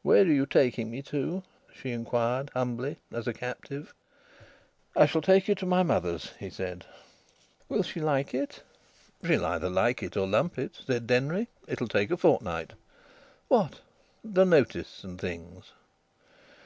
"Where are you taking me to?" she inquired humbly, as a captive. "I shall take you to my mother's," he said. "Will she like it?" "She'll either like it or lump it," said Denry. "It'll take a fortnight." "What?" "The notice, and things."